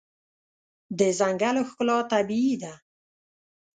د ځنګل ښکلا طبیعي ده.